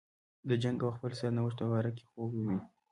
د جنګ او خپل سرنوشت په باره کې خوب ویني.